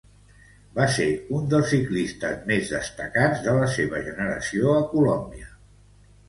Va ser un dels ciclistes més destacats de la seua generació a Colòmbia.